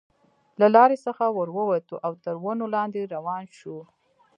له لارې څخه وو وتلو او تر ونو لاندې روان شوو.